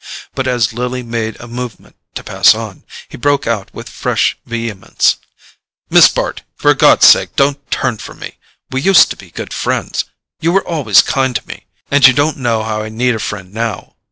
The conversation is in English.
But as Lily made a movement to pass on, he broke out with fresh vehemence: "Miss Bart, for God's sake don't turn from me! We used to be good friends—you were always kind to me—and you don't know how I need a friend now."